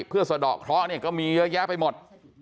เพื่อสะดอกเคราะห์ก็มีเยอะแยะไปหมด